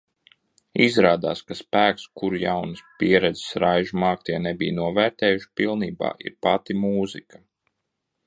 Izrādās, ka spēks, kuru jaunas pieredzes raižu māktie nebija novērtējuši pilnībā, ir pati mūzika.